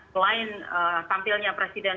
selain tampilnya presiden